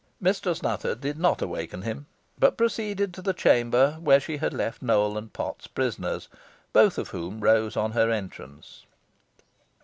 Mistress Nutter did not awaken him, but proceeded to the chamber where she had left Nowell and Potts prisoners, both of whom rose on her entrance.